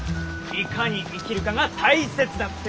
いかに生きるかが大切だって。